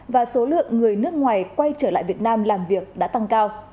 và số lượng người nước ngoài quay trở lại việt nam làm việc đã tăng cao